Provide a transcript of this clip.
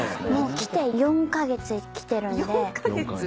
きて４カ月きてるんで。